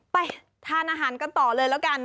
ไปทานอาหารกันต่อเลยแล้วกันนะ